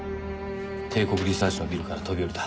帝国リサーチのビルから飛び降りた。